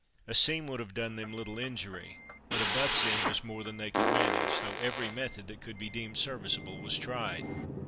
A seam would have done them little injury; but a butt's end was more than they could manage, though every method that could be deemed serviceable was tried.